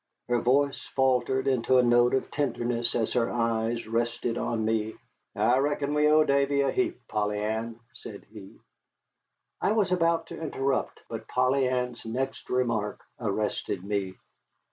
Her voice faltered into a note of tenderness as her eyes rested on me. "I reckon we owe Davy a heap, Polly Ann," said he. I was about to interrupt, but Polly Ann's next remark arrested me.